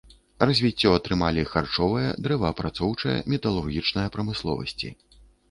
Развіццё атрымалі харчовая, дрэваапрацоўчая, металургічная прамысловасці.